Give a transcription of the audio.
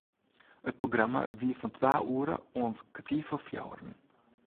It programma wie fan twa oere oant kertier foar fjouweren.